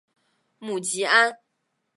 母吉安。